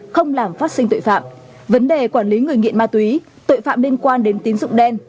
không làm phát sinh tội phạm vấn đề quản lý người nghiện ma túy tội phạm liên quan đến tín dụng đen